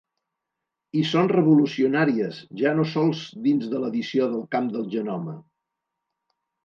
I són revolucionàries, ja no sols dins de l’edició del camp del genoma.